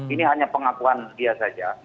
ini hanya pengakuan dia saja